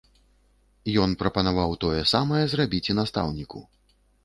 Ён прапанаваў тое самае зрабіць і настаўніку.